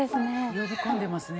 呼び込んでますね。